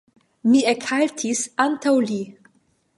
Mi ekhaltis antaŭ li.